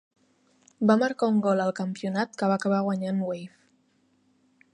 Va marcar un gol al campionat que va acabar guanyant Wave.